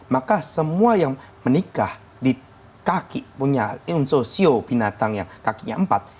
maka semua yang menikah di kaki punya insosio binatang yang kakinya empat